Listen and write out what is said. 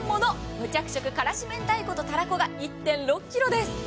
無着色辛子明太子とたらこは１．６ｋｇです。